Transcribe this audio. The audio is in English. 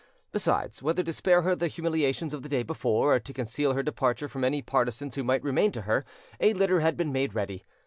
Besides, whether to spare her the humiliations of the day before, or to conceal her departure from any partisans who might remain to her, a litter had been made ready.